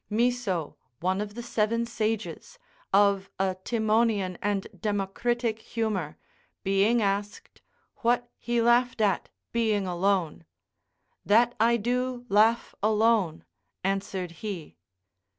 Miso, one of the seven sages, of a Timonian and Democritic humour, being asked, "what he laughed at, being alone?" "That I do laugh alone," answered he.